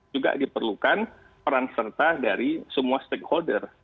juga diperlukan peran serta dari semua stakeholder